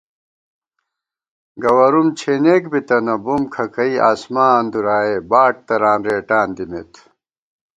گوَرُوم چھېنېک بِتَنہ بُم کھکَئ آسمان دُرائےباڈ تران رېٹان دِمېت